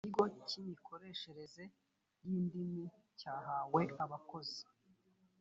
ikigo cy’imikoreshereze y’indimi cyahawe abakozi